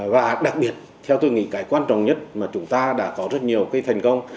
và đặc biệt theo tôi nghĩ cái quan trọng nhất mà chúng ta đã có rất nhiều cái thành công